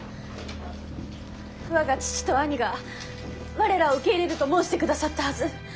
我が父と兄が我らを受け入れると申してくださったはず。